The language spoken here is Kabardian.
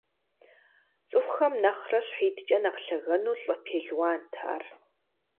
ЦӀыхухэм нэхърэ щхьитӀкӀэ нэхъ лъэгэну лӀы пелуант ар.